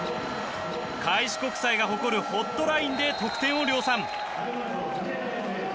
開志国際が誇るホットラインで得点を量産。